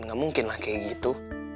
gak mungkin lah kayak gitu